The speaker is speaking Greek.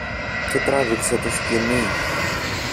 και τράβηξε το σκοινί.